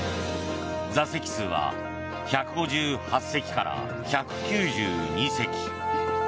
座席数は１５８席から１９２席。